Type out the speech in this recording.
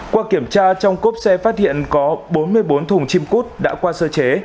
qua kiểm tra trong cốp xe phát hiện có bốn mươi bốn thùng chim cút đã qua sơ chế